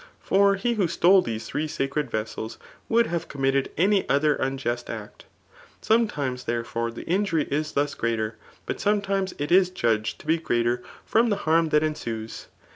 For he who stole these three sacred vessels, would have committed any other unjust act. Sometimes, therefore^ the injury is thus greater ; but sometimes it is judged [to be greater3 from the }iarm that ensues.